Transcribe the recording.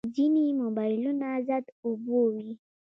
ځینې موبایلونه ضد اوبو وي.